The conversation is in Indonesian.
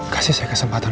kasih saya kesempatan